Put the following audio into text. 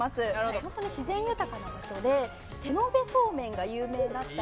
本当に自然豊かな場所で手延べそうめんが有名だったり